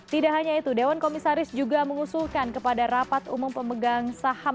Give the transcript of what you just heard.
tidak hanya itu dewan komisaris juga mengusulkan kepada rapat umum pemegang saham